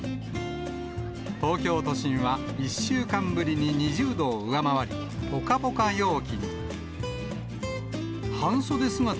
東京都心は、１週間ぶりに２０度を上回り、ぽかぽか陽気に。